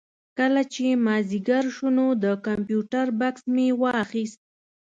کله چې مازدیګر شو نو د کمپیوټر بکس مې واخېست.